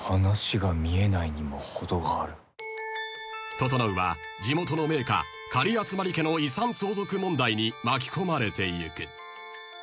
［整は地元の名家狩集家の遺産相続問題に巻き込まれてゆく］